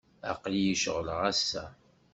Aql-iyi ceɣleɣ ass-a.